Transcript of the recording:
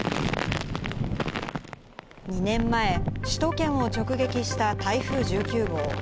２年前、首都圏を直撃した台風１９号。